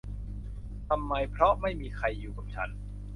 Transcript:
ทำไมเพราะไม่มีใครอยู่กับฉัน !